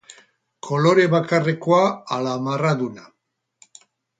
Kolore bakarrekoa ala marraduna?